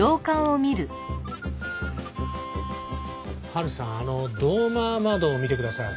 ハルさんあのドーマー窓を見てください。